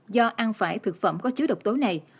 do ăn phải thực phẩm có chứa độc tố này